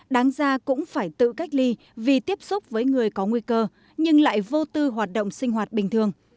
đáng ra cũng phải tự cách ly vì tiếp xúc với người có nguy cơ nhưng lại vô tư hoạt động sinh hoạt bình thường